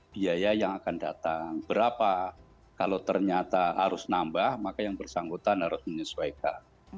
biaya yang akan datang berapa kalau ternyata harus nambah maka yang bersangkutan harus menyesuaikan